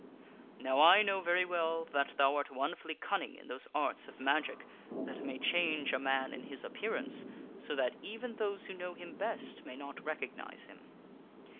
" Now I know very well that thou art wonderfully cunning in those arts of magic that may change a man in his appearance so that even those who Kin Arthur know n ^ m best ma y n t recognize him.